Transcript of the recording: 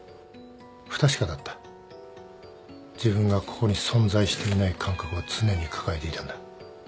自分がここに存在していない感覚を常に抱えていたんだ。